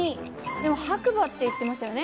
でも白馬って言ってましたよね。